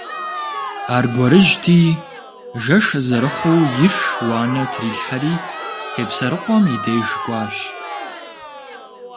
Аргуэрыжьти, жэщ зэрыхъуу иш уанэ трилъхьэри Тепсэрыкъуэм и деж кӀуащ.